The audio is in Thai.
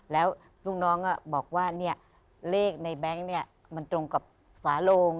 แล้วลูกน้องบอกว่าเลขในแบงค์มันตรงกับฝาโลง